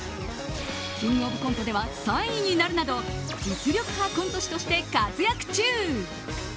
「キングオブコント」では３位になるなど実力派コント師として活躍中。